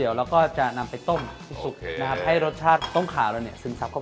เดี๋ยวเราเอามีทบอลนะครับมาเสี่ยไว้นะครับ